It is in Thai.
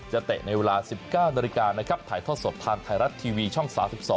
เตะในเวลา๑๙นาฬิกานะครับถ่ายทอดสดทางไทยรัฐทีวีช่อง๓๒